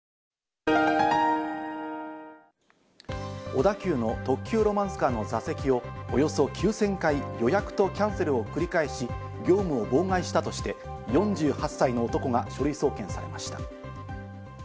小田急の特急ロマンスカーの座席をおよそ９０００回、予約とキャンセルを繰り返し、業務を妨害したとして４８歳の男が書類送検されました。